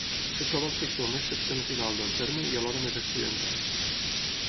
Es troba al sector més septentrional del terme i alhora més accidentat.